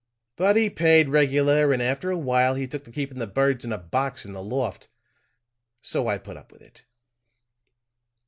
But he paid regular, and after a while he took to keeping the birds in a box in the loft, so I put up with it."